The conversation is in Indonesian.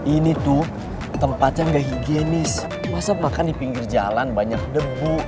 ini tuh tempatnya gak higienis masa makan di pinggir jalan banyak debu